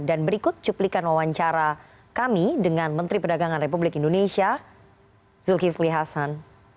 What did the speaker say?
dan berikut cuplikan wawancara kami dengan menteri perdagangan republik indonesia zulkifli hasan